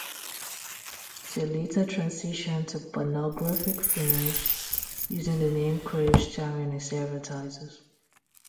She later transitioned to pornographic films using the name Crave, starring in several titles.